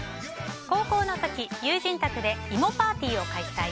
高校の時、友人宅で芋パーティーを開催。